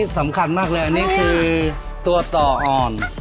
สำคัญมากเลยอันนี้คือตัวต่ออ่อน